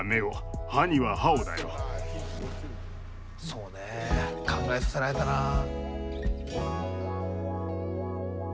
そうね考えさせられたなあ。